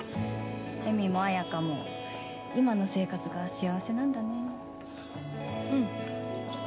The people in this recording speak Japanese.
絵美も彩花も今の生活が幸せなんだね。